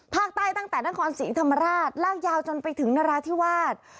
ตั้งแต่นครศรีธรรมราชลากยาวจนไปถึงนราธิวาส